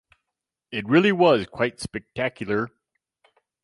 It really was quite spectacular.